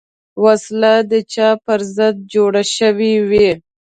وسله د چا پر ضد جوړه شوې وي